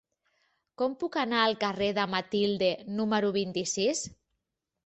Com puc anar al carrer de Matilde número vint-i-sis?